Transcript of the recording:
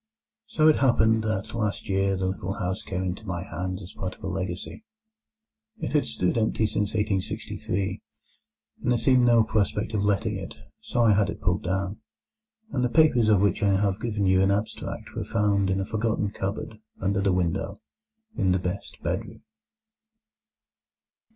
It so happened that last year the little house came into my hands as part of a legacy. It had stood empty since 1863, and there seemed no prospect of letting it; so I had it pulled down, and the papers of which I have given you an abstract were found in a forgotten cupboard under the window in the best bedroom.